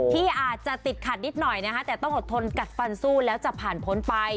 ที่อาจจะติดขัดนิดหน่อยนะคะแต่ต้องอดทนกัดฟันสู้แล้วจะผ่านพ้นไป